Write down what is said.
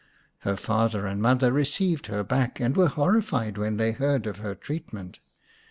Her father and mother received her back, and were horrified when they heard of her treatment.